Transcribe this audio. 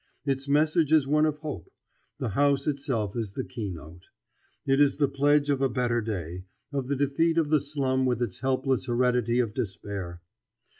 Its message is one of hope; the house itself is the key note. It is the pledge of a better day, of the defeat of the slum with its helpless heredity of despair.